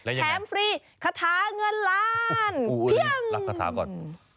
แข็มฟรีคาถาเงินล้าน